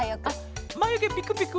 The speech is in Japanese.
まゆげピクピク。